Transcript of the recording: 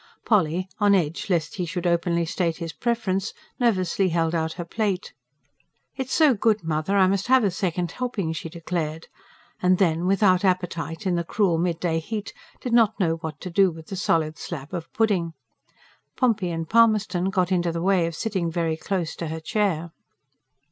Polly, on edge, lest he should openly state his preference, nervously held out her plate. "It's so good, mother, I must have a second helping," she declared; and then, without appetite in the cruel, midday heat, did not know what to do with the solid slab of pudding. Pompey and Palmerston got into the way of sitting very close to her chair.